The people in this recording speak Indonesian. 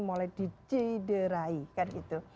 mulai dijederahikan gitu